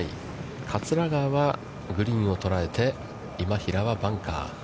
桂川はグリーンを捉えて、今平はバンカー。